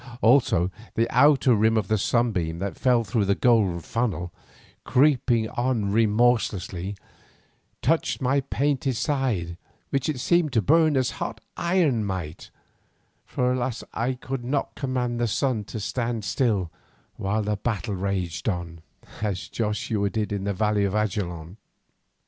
Also the outer rim of the sunbeam that fell through the golden funnel, creeping on remorselessly, touched my painted side which it seemed to burn as hot iron might, for alas, I could not command the sun to stand still while the battle raged, as did Joshua in the valley of Ajalon.